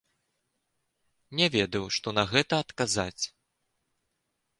Не ведаў, што на гэта адказаць.